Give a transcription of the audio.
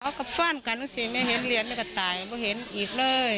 เขาก็ฝ่านกันสิไม่เห็นเหลียนไม่ก็ตายไม่เห็นอีกเลย